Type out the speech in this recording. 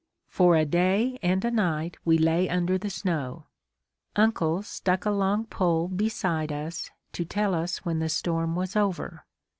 For a day and a night we lay under the snow. Uncle stuck a long pole beside us to tell us when the storm was over.